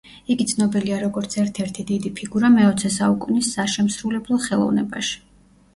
იგი ცნობილია როგორც ერთ-ერთი დიდი ფიგურა მეოცე საუკუნის საშემსრულებლო ხელოვნებაში.